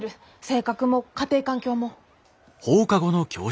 性格も家庭環境も。